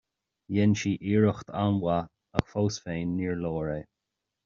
Dhein sí iarracht an-mhaith ach fós féin níor leor é.